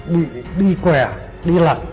bị đi què đi lặt